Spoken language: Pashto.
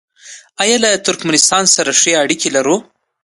آیا له ترکمنستان سره ښې اړیکې لرو؟